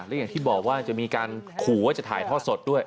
และอย่างที่บอกว่าจะมีการขู่ว่าจะถ่ายทอดสดด้วย